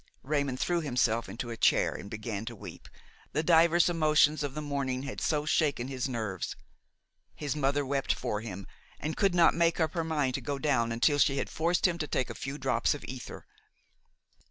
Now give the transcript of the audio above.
Raymon threw himself into a chair and began to weep, the divers emotions of the morning had so shaken his nerves. His mother wept for him and could not make up her mind to go down until she had forced him to take a few drops of ether.